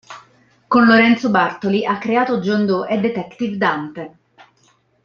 Con Lorenzo Bartoli ha creato "John Doe" e "Detective Dante".